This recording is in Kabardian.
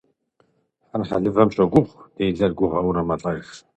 Хьэр хьэлывэм щогуыгъ, делэр гугъэурэ мэлӏэж.